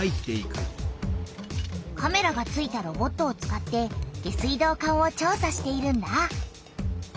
カメラがついたロボットを使って下水道管を調さしているんだ。